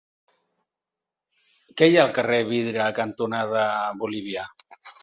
Què hi ha al carrer Vidre cantonada Bolívia?